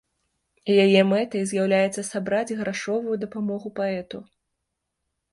Яе мэтай з'яўляецца сабраць грашовую дапамогу паэту.